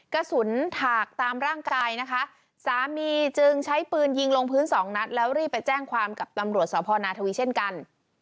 ถากตามร่างกายนะคะสามีจึงใช้ปืนยิงลงพื้นสองนัดแล้วรีบไปแจ้งความกับตำรวจสพนาทวีเช่นกัน